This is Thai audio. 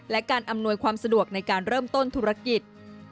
และการอำนวยความสะดวกในการเริ่มต้นธุรกิจ